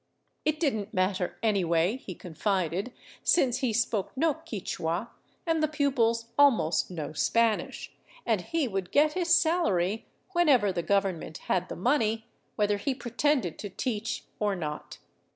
It didn't matter anyway, he confided, since he spoke no Quichua and the pupils almost no Spanish, and he would get his salary — whenever the government had the money — whether he pretended to teach or not.